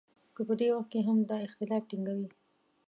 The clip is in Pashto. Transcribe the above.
که په دې وخت کې هم دا اختلاف ټینګوي.